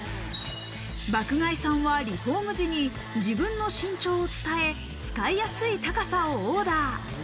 爆買いさんはリフォーム時に自分の身長を伝え、使いやすい高さをオーダー。